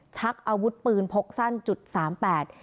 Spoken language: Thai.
ชักอาวุธปืนพกสั้นจุดสามแปด